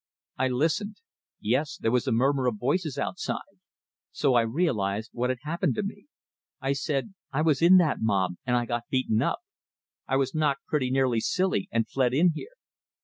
I listened. Yes, there was a murmur of voices outside. So I realized what had happened to me. I said: "I was in that mob, and I got beaten up. I was knocked pretty nearly silly, and fled in here."